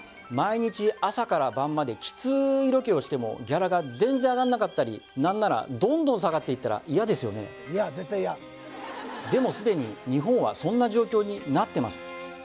毎日朝から晩まできついロケをしてもギャラが全然上がんなかったり何ならどんどん下がっていったらイヤですよねでもすでに日本はそんな状況になってます